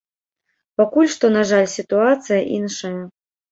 Пакуль што, на жаль, сітуацыя іншая.